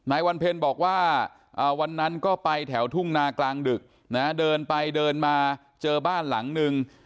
อ่าวันนั้นก็ไปแถวทุ่งนากลางดึกนะฮะเดินไปเดินมาเจอบ้านหลังหนึ่ง